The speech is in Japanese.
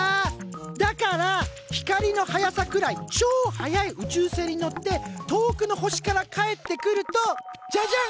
だから光の速さくらいちょ速い宇宙船に乗って遠くの星から帰ってくるとじゃじゃん！